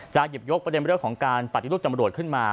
หยิบยกประเด็นเรื่องของการปฏิรูปตำรวจขึ้นมา